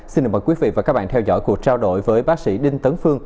xin mời quý vị và các bạn theo dõi cuộc trao đổi với bác sĩ đinh tấn phương